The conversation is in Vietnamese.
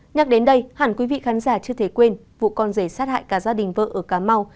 nhắc đến đây hẳn quý vị khán giả chưa thể quên vụ con rể sát hại cả gia đình vợ ở cà mau